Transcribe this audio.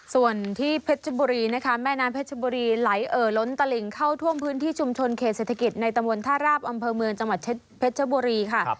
ส่วนที่เพชรบุรีนะคะแม่น้ำเพชรบุรีไหลเอ่อล้นตลิงเข้าท่วมพื้นที่ชุมชนเขตเศรษฐกิจในตำบลท่าราบอำเภอเมืองจังหวัดเพชรบุรีค่ะ